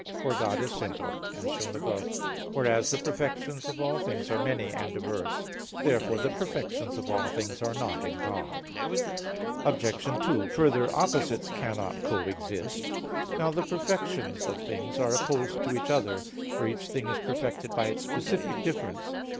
For God is simple, as shown above (Q. 3, A. 7); whereas the perfections of things are many and diverse. Therefore the perfections of all things are not in God. Obj. 2: Further, opposites cannot coexist. Now the perfections of things are opposed to each other, for each thing is perfected by its specific difference.